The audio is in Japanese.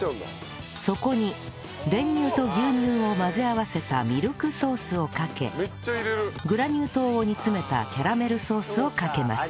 そこに練乳と牛乳を混ぜ合わせたミルクソースをかけグラニュー糖を煮詰めたキャラメルソースをかけます